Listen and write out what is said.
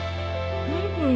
何これ。